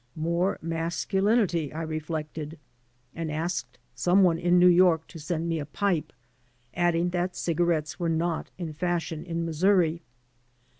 More masculinity, I reflected, and asked some one in New York to send me a pipe, adding that cigarettes were not in fashion in Missouri.